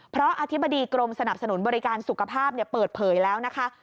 เพราะอธิบดีกรมสนับสนุนบริการสุขภาพเปิดเผยแล้วนะคะ